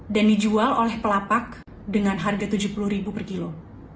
dan dijual oleh pelapak dengan harga rp tujuh puluh per kilo